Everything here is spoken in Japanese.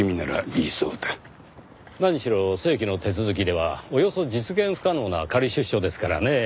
何しろ正規の手続きではおよそ実現不可能な仮出所ですからねぇ。